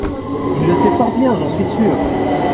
Il le sait fort bien, j’en suis sûr.